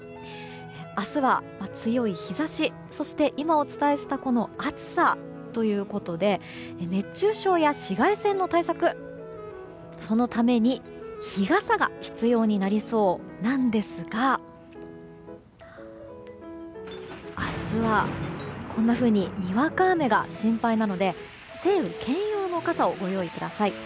明日は強い日差し、そして今お伝えした暑さということで熱中症や紫外線の対策のために日傘が必要になりそうなんですが明日はこんなふうににわか雨が心配なので晴雨兼用の傘をご用意ください。